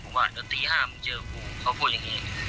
ผมว่าเดี๋ยวตี๕มึงเจอกูเขาพูดอย่างนี้